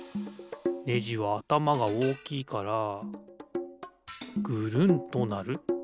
ネジはあたまがおおきいからぐるんとなる。